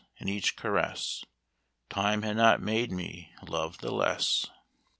in each caress, Time had not made me love the less."